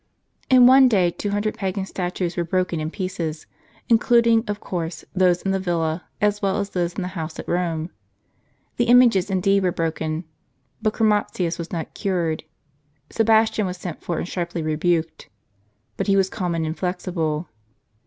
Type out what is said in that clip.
In one day two hundred pagan statues were broken in pieces, including, of course, those in the villa, as well as those in the house at Rome. The images indeed were broken ; but Chromatins was not cured. Sebastian was sent for and sharply rebuked. But he was calm and inflexible.